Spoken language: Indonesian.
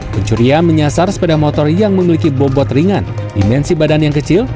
pencurian menyasar sepeda motor yang memiliki bobot ringan dimensi badan yang kecil